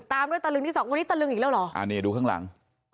ตามด้วยตะลึงที่สองวันนี้ตะลึงอีกแล้วเหรออ่านี่ดูข้างหลัง